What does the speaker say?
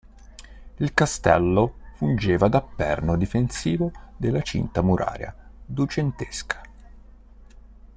Il Castello fungeva da perno difensivo della cinta muraria duecentesca.